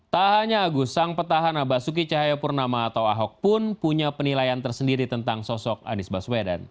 tak hanya agus sang petahana basuki cahayapurnama atau ahok pun punya penilaian tersendiri tentang sosok anies baswedan